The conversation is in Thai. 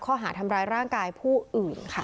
ข้อหาทำร้ายร่างกายผู้อื่นค่ะ